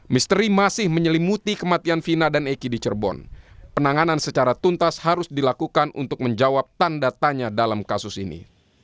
misteri masih menyelimuti kematian fina dan eki di cirebon penanganan secara tuntas harus dilakukan untuk menjawab tanda tanya dalam kasus ini